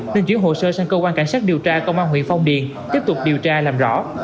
nên chuyển hồ sơ sang cơ quan cảnh sát điều tra công an huyện phong điền tiếp tục điều tra làm rõ